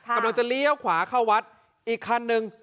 กำลังจะเลี้ยวขวาเข้าวัดอีกคันนึง